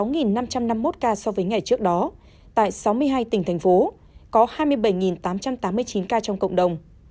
sáu năm trăm năm mươi một ca so với ngày trước đó tại sáu mươi hai tỉnh thành phố có hai mươi bảy tám trăm tám mươi chín ca trong cộng đồng